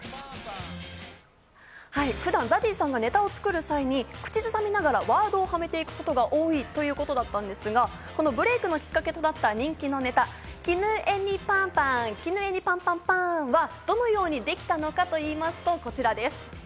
普段ＺＡＺＹさんがネタを作る際に口ずさみながらワードをはめていくことが多いということですが、ブレークのきっかけとなったネタ、絹江にパンパンパン！はどのようにできたのかといいますとこちらです。